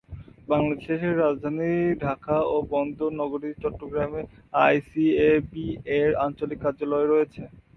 বাংলাদেশের রাজধানী ঢাকা ও বন্দর নগরী চট্টগ্রামে আইসিএবি-এর আঞ্চলিক কার্যালয় রয়েছে।